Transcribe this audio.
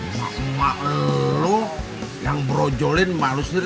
emak emak lu yang brojolin emak lu sendiri